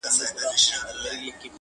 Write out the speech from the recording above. خو څه نه سي ويلای تل